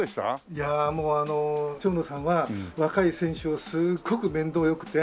いやもう長野さんは若い選手をすっごく面倒良くて。